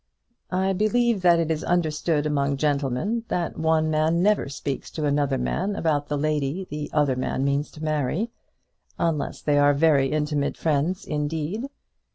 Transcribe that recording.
"I believe that it is understood among gentlemen that one man never speaks to another man about the lady the other man means to marry, unless they are very intimate friends indeed.